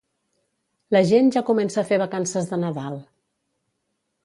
La gent ja comença a fer vacances de Nadal